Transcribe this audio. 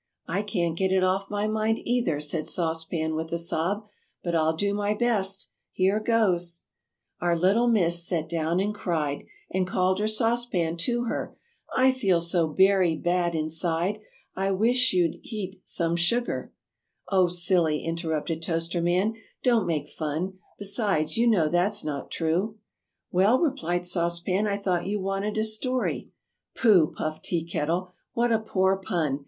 "I can't get it off my mind, either," said Sauce Pan, with a sob, "but I'll do my best. Here goes: "Our little Miss sat down and cried, And called her Sauce Pan to her, 'I feel so berry bad inside, I wish you'd (h)eat some sugar.'" [Illustration: "I can't get it off my mind, either."] "Oh, silly!" interrupted Toaster Man, "don't make fun, besides, you know that's not true." "Well," replied Sauce Pan, "I thought you wanted a story!" "Pooh!" puffed Tea Kettle, "What a poor pun!